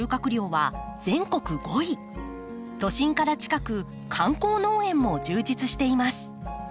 都心から近く観光農園も充実しています。